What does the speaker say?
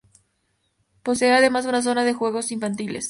Posee, además, una zona de juegos infantiles.